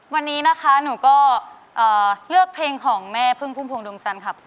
วันนี้นะคะหนูก็เลือกเพลงของแม่พึ่งภูมิภูมิดวงจันครับ